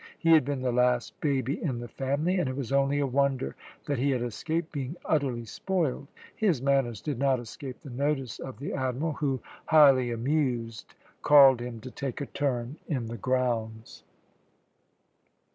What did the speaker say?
He had been the last baby in the family, and it was only a wonder that he had escaped being utterly spoiled. His manners did not escape the notice of the Admiral, who, highly amused, called him to take a turn in the grounds.